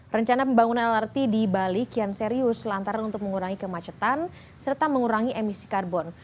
rencana pembangunan lrt di bali kian serius lantaran untuk mengurangi kemacetan serta mengurangi emisi karbon